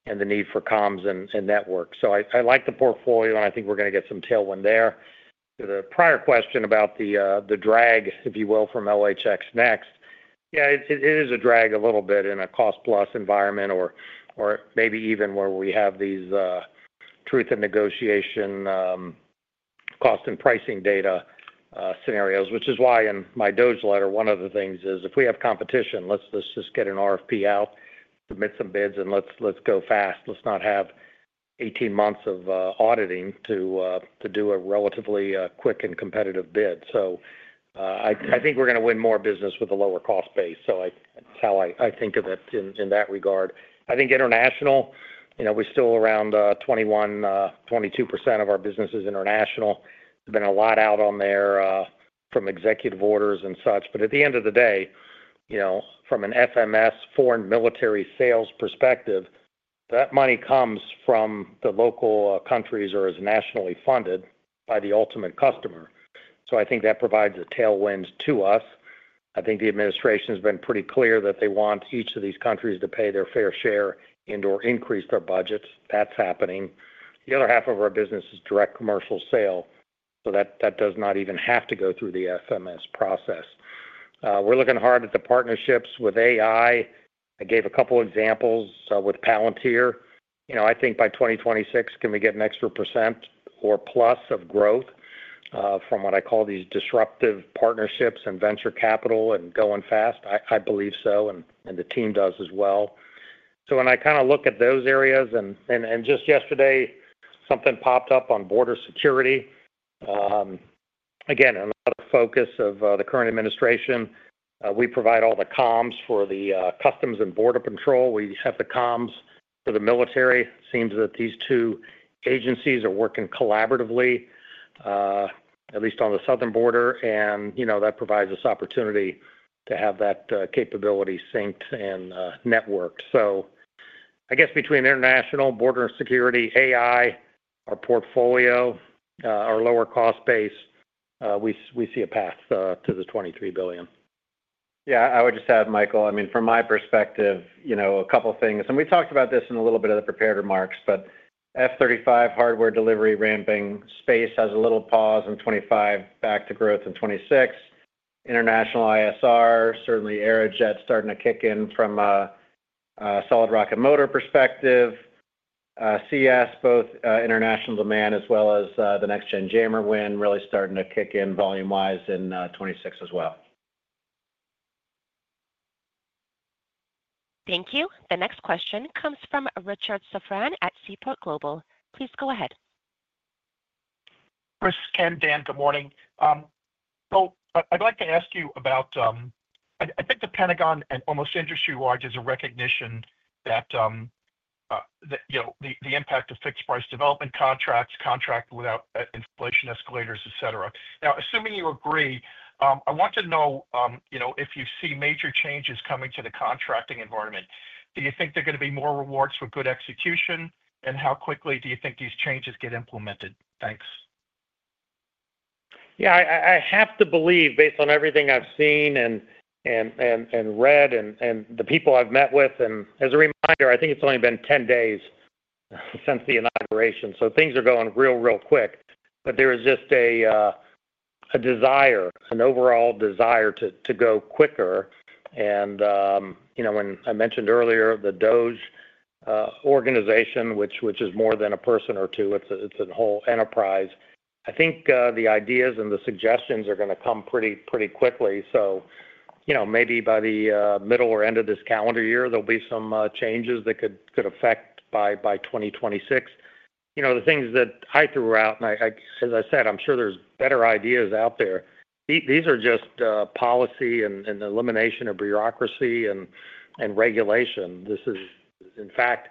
and the need for comms and networks. So I like the portfolio, and I think we're going to get some tailwind there. To the prior question about the drag, if you will, from LHX Next, yeah, it is a drag a little bit in a cost-plus environment or maybe even where we have these truth and negotiation cost and pricing data scenarios, which is why in my DOGE letter, one of the things is if we have competition, let's just get an RFP out, submit some bids, and let's go fast. Let's not have 18 months of auditing to do a relatively quick and competitive bid. So I think we're going to win more business with a lower cost base. So that's how I think of it in that regard. I think international, we're still around 21%-22% of our business is international. There's been a lot out there from executive orders and such. But at the end of the day, from an FMS, foreign military sales perspective, that money comes from the local countries or is nationally funded by the ultimate customer. So I think that provides a tailwind to us. I think the administration has been pretty clear that they want each of these countries to pay their fair share and/or increase their budgets. That's happening. The other half of our business is direct commercial sale, so that does not even have to go through the FMS process. We're looking hard at the partnerships with AI. I gave a couple of examples with Palantir. I think by 2026, can we get an extra % or plus of growth from what I call these disruptive partnerships and venture capital and going fast? I believe so, and the team does as well. So when I kind of look at those areas, and just yesterday, something popped up on border security. Again, in the focus of the current administration, we provide all the comms for the U.S. Customs and Border Protection. We have the comms for the military. It seems that these two agencies are working collaboratively, at least on the southern border, and that provides us opportunity to have that capability synced and networked. So I guess between international, border security, AI, our portfolio, our lower cost base, we see a path to the $23 billion. Yeah, I would just add, Michael, I mean, from my perspective, a couple of things. And we talked about this in a little bit of the prepared remarks, but F-35 hardware delivery ramping. Space has a little pause in 2025, back to growth in 2026. International ISR, certainly Aerojet starting to kick in from a solid rocket motor perspective. CS, both international demand as well as the Next-Gen Jammer win really starting to kick in volume-wise in 2026 as well. Thank you. The next question comes from Richard Safran at Seaport Global. Please go ahead. Chris, Ken, Dan, good morning. So I'd like to ask you about, I think, the Pentagon and almost industry-wide is a recognition that the impact of fixed price development contracts, contract without inflation escalators, etc. Now, assuming you agree, I want to know if you see major changes coming to the contracting environment. Do you think there are going to be more rewards for good execution, and how quickly do you think these changes get implemented? Thanks. Yeah, I have to believe, based on everything I've seen and read and the people I've met with, and as a reminder, I think it's only been 10 days since the inauguration, so things are going real, real quick. But there is just a desire, an overall desire to go quicker. And when I mentioned earlier the DOGE organization, which is more than a person or two, it's a whole enterprise, I think the ideas and the suggestions are going to come pretty quickly. So maybe by the middle or end of this calendar year, there'll be some changes that could affect by 2026. The things that I threw out, and as I said, I'm sure there's better ideas out there. These are just policy and elimination of bureaucracy and regulation. This is, in fact,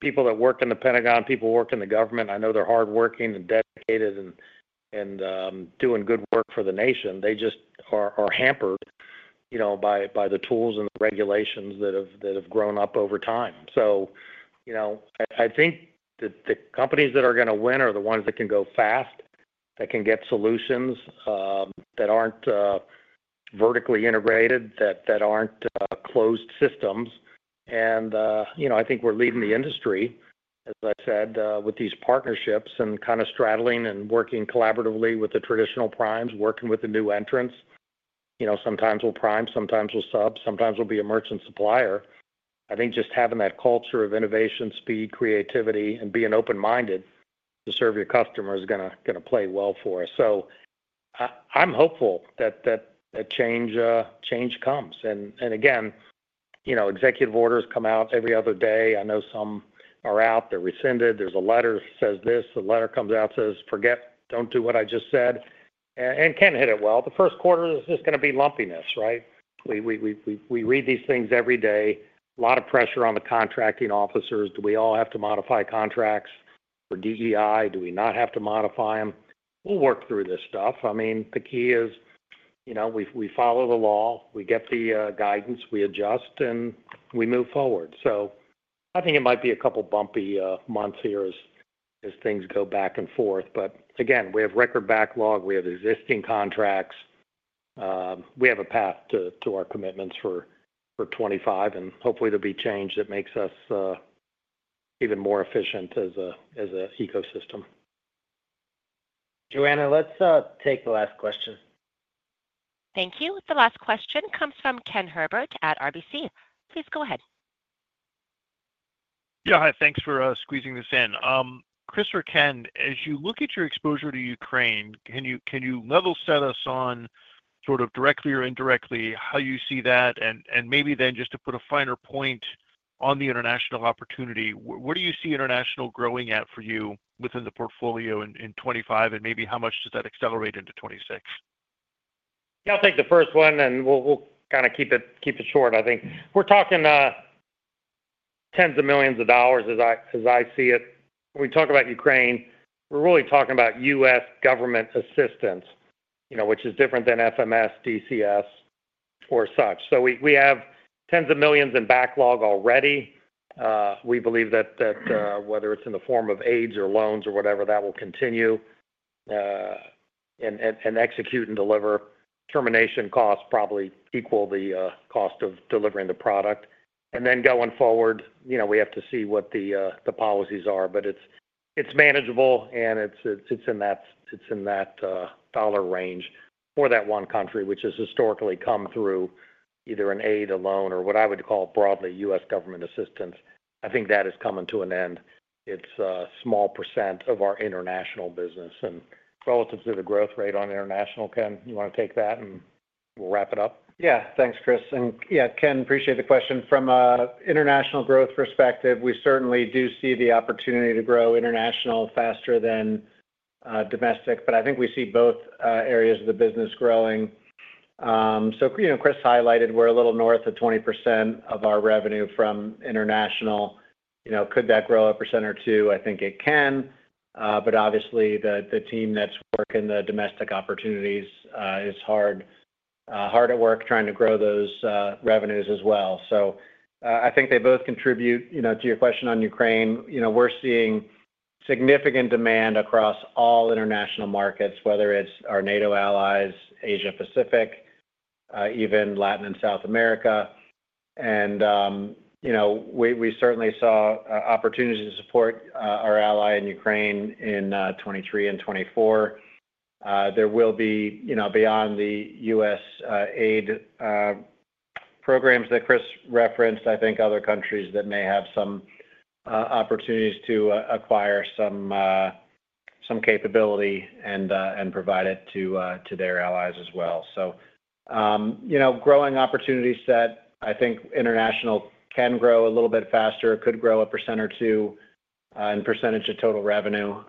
people that work in the Pentagon, people who work in the government. I know they're hardworking and dedicated and doing good work for the nation. They just are hampered by the tools and the regulations that have grown up over time. So I think that the companies that are going to win are the ones that can go fast, that can get solutions that aren't vertically integrated, that aren't closed systems. And I think we're leading the industry, as I said, with these partnerships and kind of straddling and working collaboratively with the traditional primes, working with the new entrants. Sometimes we'll prime, sometimes we'll sub, sometimes we'll be a merchant supplier. I think just having that culture of innovation, speed, creativity, and being open-minded to serve your customer is going to play well for us. So I'm hopeful that change comes. And again, executive orders come out every other day. I know some are out. They're rescinded. There's a letter that says this. The letter comes out and says, "Forget, don't do what I just said." And Ken hit it well. The first quarter is just going to be lumpiness, right? We read these things every day. A lot of pressure on the contracting officers. Do we all have to modify contracts for DEI? Do we not have to modify them? We'll work through this stuff. I mean, the key is we follow the law, we get the guidance, we adjust, and we move forward. So I think it might be a couple of bumpy months here as things go back and forth. But again, we have record backlog. We have existing contracts. We have a path to our commitments for 2025, and hopefully there'll be change that makes us even more efficient as an ecosystem. Joanna, let's take the last question. Thank you. The last question comes from Ken Herbert at RBC. Please go ahead. Yeah, hi, thanks for squeezing this in. Chris or Ken, as you look at your exposure to Ukraine, can you level set us on sort of directly or indirectly how you see that? And maybe then just to put a finer point on the international opportunity, where do you see international growing at for you within the portfolio in 2025, and maybe how much does that accelerate into 2026? Yeah, I'll take the first one, and we'll kind of keep it short, I think. We're talking tens of millions of dollars as I see it. When we talk about Ukraine, we're really talking about U.S. government assistance, which is different than FMS, DCS, or such. So we have tens of millions in backlog already. We believe that whether it's in the form of aid or loans or whatever, that will continue and execute and deliver. Termination costs probably equal the cost of delivering the product. And then going forward, we have to see what the policies are, but it's manageable, and it's in that dollar range for that one country, which has historically come through either an aid, a loan, or what I would call broadly U.S. government assistance. I think that is coming to an end. It's a small % of our international business. And relative to the growth rate on international, Ken, you want to take that, and we'll wrap it up? Yeah, thanks, Chris. And yeah, Ken, appreciate the question. From an international growth perspective, we certainly do see the opportunity to grow international faster than domestic, but I think we see both areas of the business growing. So Chris highlighted we're a little north of 20% of our revenue from international. Could that grow a percent or two? I think it can. But obviously, the team that's working the domestic opportunities is hard at work trying to grow those revenues as well. So I think they both contribute. To your question on Ukraine, we're seeing significant demand across all international markets, whether it's our NATO allies, Asia-Pacific, even Latin and South America. And we certainly saw opportunities to support our ally in Ukraine in 2023 and 2024. There will be, beyond the U.S. aid programs that Chris referenced, I think other countries that may have some opportunities to acquire some capability and provide it to their allies as well. So growing opportunities that I think international can grow a little bit faster, could grow 1% or 2% in percentage of total revenue.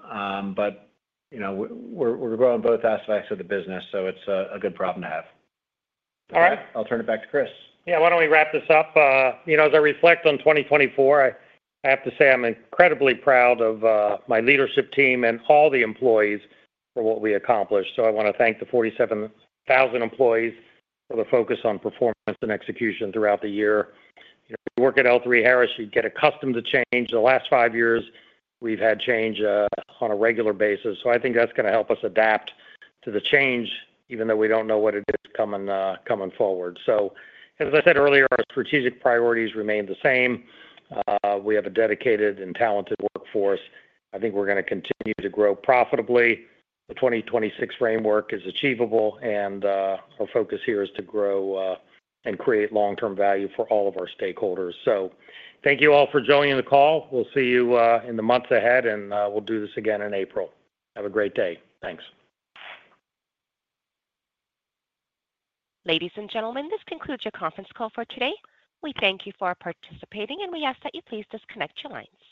But we're growing both aspects of the business, so it's a good problem to have. All right, I'll turn it back to Chris. Yeah, why don't we wrap this up? As I reflect on 2024, I have to say I'm incredibly proud of my leadership team and all the employees for what we accomplished. So I want to thank the 47,000 employees for the focus on performance and execution throughout the year. If you work at L3Harris, you get accustomed to change. The last five years, we've had change on a regular basis. So I think that's going to help us adapt to the change, even though we don't know what it is coming forward. So as I said earlier, our strategic priorities remain the same. We have a dedicated and talented workforce. I think we're going to continue to grow profitably. The 2026 framework is achievable, and our focus here is to grow and create long-term value for all of our stakeholders. So thank you all for joining the call. We'll see you in the months ahead, and we'll do this again in April. Have a great day. Thanks. Ladies and gentlemen, this concludes your conference call for today. We thank you for participating, and we ask that you please disconnect your lines.